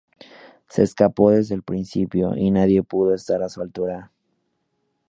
Se escapó desde el principio y nadie pudo estar a su altura.